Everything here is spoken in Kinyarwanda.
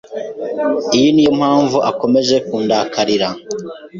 Iyi niyo mpamvu akomeje kundakarira.